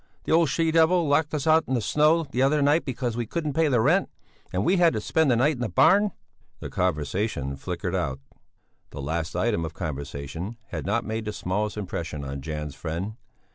The old she devil locked us out in the snow the other night because we couldn't pay the rent, and we had to spend the night in the barn." The conversation flickered out; the last item of conversation had not made the smallest impression on Janne's friend.